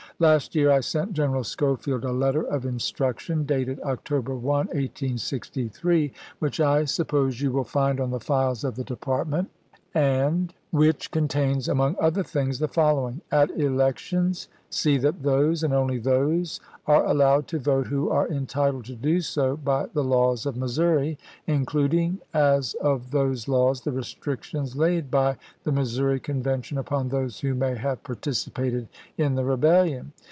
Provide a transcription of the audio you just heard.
Last year I sent General Scho field a letter of instruction, dated October 1, 1863, which I suppose you wiU find on the files of the Department, and GEXEKAL ALFKED PLEASONTON. MISSOUKI FKEE 481 which contains among other things the following : ''At chap. xx. elections see that those, and only those, are allowed to vote who are entitled to do so by the laws of Missouri, including as of those laws the restrictions laid by the Mssouri Convention upon those who may have partici pated in the rebellion."